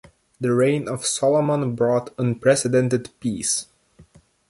The reign of Solomon brought unprecedented peace.